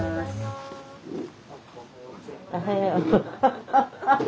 ハハハハハ！